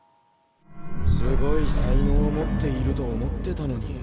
すごい才能を持っていると思ってたのに。